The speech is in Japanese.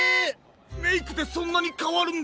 メイクでそんなにかわるんだ。